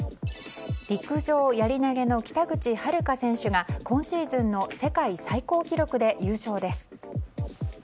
陸上やり投げの北口榛花選手が今シーズンの世界最高記録で優勝です。